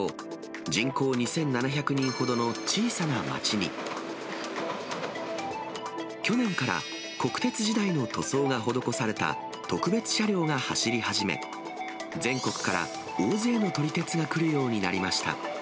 人口２７００人ほどの小さな町に、去年から国鉄時代の塗装が施された特別車両が走り始め、全国から大勢の撮り鉄が来るようになりました。